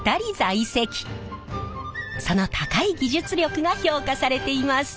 その高い技術力が評価されています。